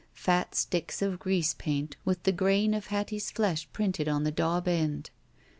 Pat sticks of grease paint with the grain of Hattie's flesh printed on the daub end.